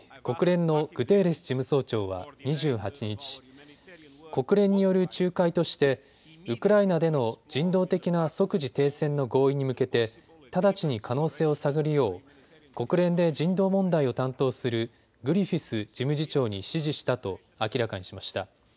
国連のグテーレス事務総長は２８日、国連による仲介としてウクライナでの人道的な即時停戦の合意に向けて直ちに可能性を探るよう国連で人道問題を担当するグリフィス事務次長に指示したと明らかにしました。